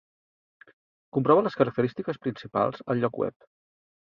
Comprova les característiques principals al lloc web.